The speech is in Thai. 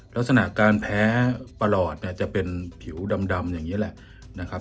ลักษณะการแพ้ประหลอดเนี่ยจะเป็นผิวดำอย่างนี้แหละนะครับ